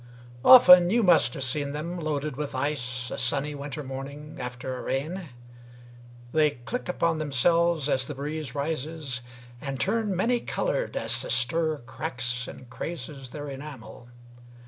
Often you must have seen them Loaded with ice a sunny winter morning After a rain. They click upon themselves As the breeze rises, and turn many colored As the stir cracks and crazes their enamel.